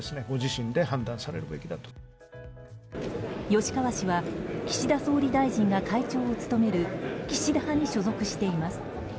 吉川氏は岸田総理大臣が会長を務める岸田派に所属しています。